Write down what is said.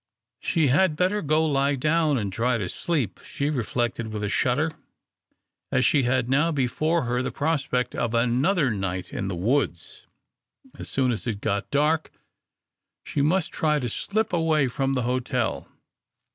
She had better go lie down and try to sleep, she reflected with a shudder, as she had now before her the prospect of another night in the woods. As soon as it got dark, she must try to slip away from the hotel.